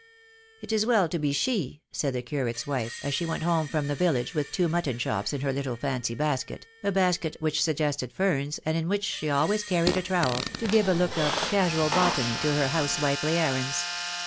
"It is well to be she," said the curate's wife, as she went home from the village with two mutton chops in her little fancy basket, a basket which suggested ferns, and in which she always carried a trowel, to give the look of casual botany to her housewifely errands.